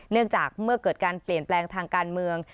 เนื่องจากเมื่อเกิดการเปลี่ยนแปลงทางการเมือง